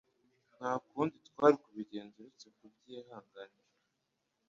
Nta kundi twari kubigenza uretse kubyihanganira.